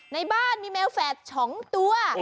ในบ้านมีแมวแฝด๒ตัว